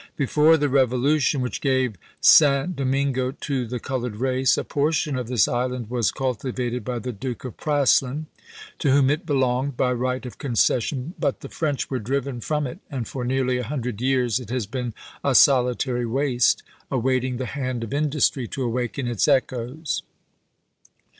Before the revolution which gave St. Do mingo to the colored race, a portion of this island was cultivated by the Duke of Praslin, to whom it belonged by right of concession, but the French were driven from it, and for nearly a hundred years it has been a solitary waste, awaiting the hand of industry to awaken its echoes.